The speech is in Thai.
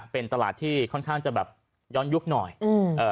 เป็นตลาดที่ค่อนข้างจะแบบย้อนยุคหน่อยอืมเอ่อ